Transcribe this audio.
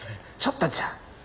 ちょっとちゃう。